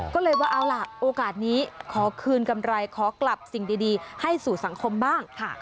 ก็เลยว่าเอาล่ะโอกาสนี้ขอคืนกำไรขอกลับสิ่งดีให้สู่สังคมบ้างค่ะ